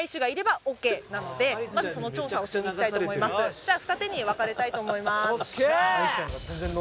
じゃあ二手に分かれたいと思います。